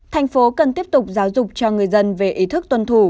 thành phố cần tiếp tục giáo dục cho người dân về ý thức tuân thủ